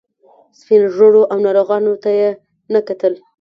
سپین ږیرو او ناروغانو ته یې نه کتل.